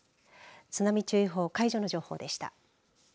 津波注意報解除の情報でした。